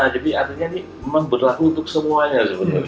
jadi artinya ini memang berlaku untuk semuanya